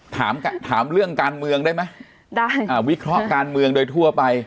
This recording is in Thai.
ถามถามเรื่องการเมืองได้ไหมได้อ่าวิเคราะห์การเมืองโดยทั่วไป